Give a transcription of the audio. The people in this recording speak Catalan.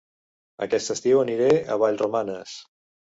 Aquest estiu aniré a Vallromanes